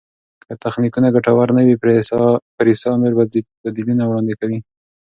که تخنیکونه ګټور نه وي، پریسا نور بدیلونه وړاندیز کوي.